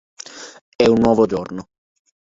È un nuovo giorno.